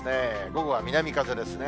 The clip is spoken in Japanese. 午後は南風ですね。